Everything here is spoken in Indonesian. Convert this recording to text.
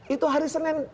itu hari senin